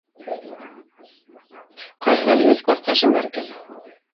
Ҡайһылай һәйбәт класташым бар икән!